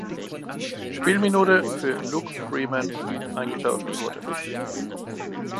Spielminute für Luke Freeman eingetauscht wurde.